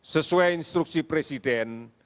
sesuai instruksi presiden